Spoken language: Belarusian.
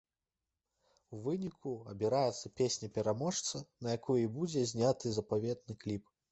У выніку абіраецца песня-пераможца, на якую і будзе зняты запаветны кліп.